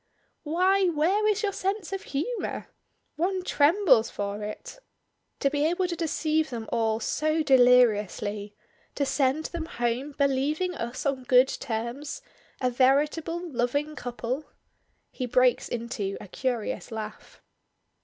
"Why, where is your sense of humor? One trembles for it! To be able to deceive them all so deliriously; to send them home believing us on good terms, a veritable loving couple" he breaks into a curious laugh.